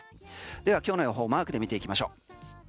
では今日の予報マークで見ていきましょう。